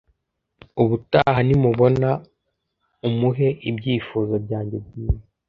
Ubutaha nimubona, umuhe ibyifuzo byanjye byiza.